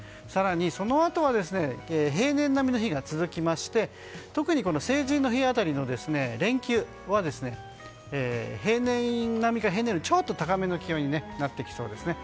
更にそのあとは平年並みの日が続きまして特に成人の日あたりの連休は平年並みか平年よりちょっと高めの気温になっていきそうです。